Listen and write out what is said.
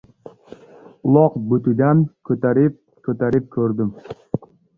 Uloq butidan ko‘tarib-ko‘tarib ko‘rdim.